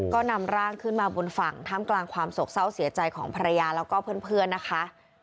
ก็นำร่างขึ้นมาบนฝั่งท่ามกลางความโศกเศร้าเสียใจของภรรยาแล้วก็เพื่อนนะคะ